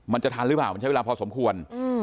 มันจะทันหรือเปล่ามันใช้เวลาพอสมควร